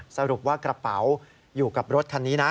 สรุปว่ากระเป๋าอยู่กับรถคันนี้นะ